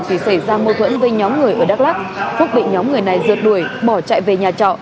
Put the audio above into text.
thì xảy ra mâu thuẫn với nhóm người ở đắk lắc phúc bị nhóm người này rượt đuổi bỏ chạy về nhà trọ